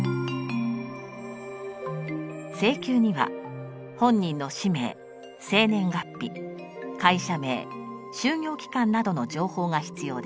請求には本人の氏名生年月日会社名就業期間などの情報が必要です。